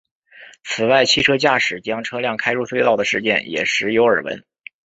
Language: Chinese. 此外汽车驾驶将车辆开入隧道的事件也时有耳闻。